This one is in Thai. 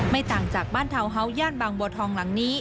ต่างจากบ้านทาวน์เฮาส์ย่านบางบัวทองหลังนี้